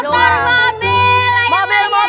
mobil mobilan yang pake lembab